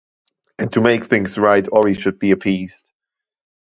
And to make things right Ori should be appeased.